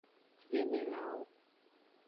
Gbemelanwo.